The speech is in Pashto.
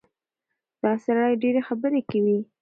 دا سړی ډېرې خبرې کوي.